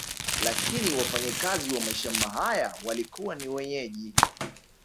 Lakini wafanayakazi wa mashamaba haya walikuwa ni wenyeji